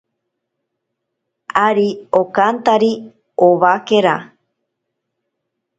Ari okantari owakera.